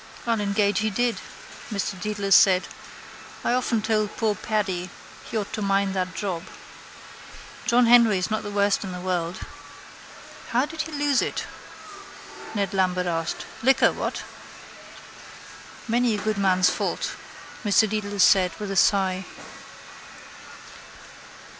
—I'll engage he did, Mr Dedalus said. I often told poor Paddy he ought to mind that job. John Henry is not the worst in the world. —How did he lose it? Ned Lambert asked. Liquor, what? —Many a good man's fault, Mr Dedalus said with a sigh.